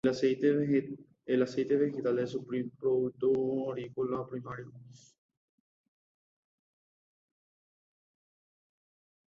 El aceite vegetal es su producto agrícola primario.